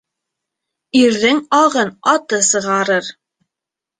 Ирҙең ағын аты сығарыр